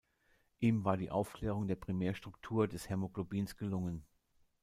Ihm war die Aufklärung der Primärstruktur des Hämoglobins gelungen.